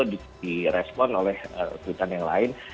yang di respon oleh tweetan yang lain